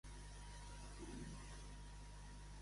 Què és Quiró, a banda de ser un personatge mitològic?